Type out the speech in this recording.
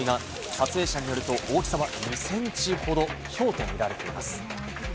撮影者によると、大きさは２センチほどひょうと見られています。